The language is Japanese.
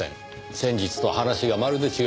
先日と話がまるで違います。